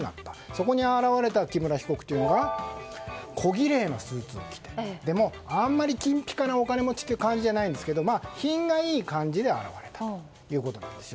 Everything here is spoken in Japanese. そこに現れた被告はこぎれいなスーツを着ていてでもあんまり金ぴかなお金持ちという感じではないんですけど品がいい感じで現れたということです。